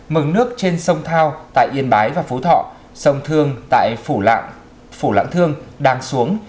mực nước trên sông thao tại yên bái và phú thọ sông thương tại phủ lãng thương đang xuống